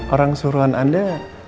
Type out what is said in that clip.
orang suruhan anda